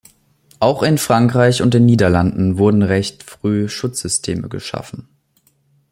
Auch in Frankreich und den Niederlanden wurden recht früh Schutzsysteme geschaffen.